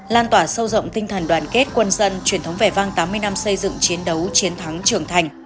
lan tỏa sâu rộng tinh thần đoàn kết quân dân truyền thống vẻ vang tám mươi năm xây dựng chiến đấu chiến thắng trưởng thành